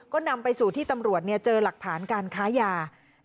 ก็นำไปสู่ที่ตำรวจเจอหลักฐานการค้ายา